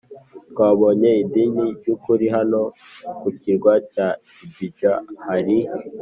twabonye idini ry ukuri Hano ku kirwa cya Ibinja hari